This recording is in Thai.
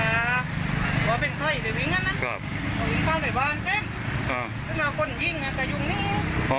ว่าเป็นใครอยู่ในวิ่งนั้นนะวิ่งต้องไปบ้านใช่ไหมคุณเอาคนยิงแต่ยุ่งนี้